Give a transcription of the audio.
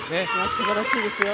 すばらしいですよ。